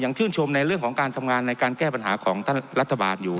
ชื่นชมในเรื่องของการทำงานในการแก้ปัญหาของท่านรัฐบาลอยู่